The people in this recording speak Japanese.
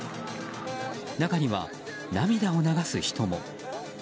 中には涙を流す人も。